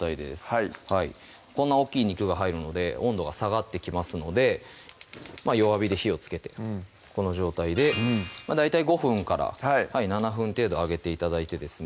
はいこんな大っきい肉が入るので温度が下がってきますので弱火で火をつけてこの状態で大体５分７分程度揚げて頂いてですね